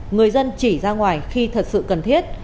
người dân chỉ ra ngoài khi thật sự cần thiết